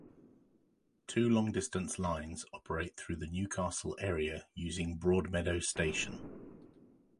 Two long distance lines operate through the Newcastle area using Broadmeadow station.